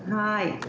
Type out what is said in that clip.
はい。